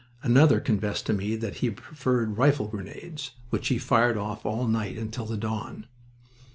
Another confessed to me that he preferred rifle grenades, which he fired off all night until the dawn.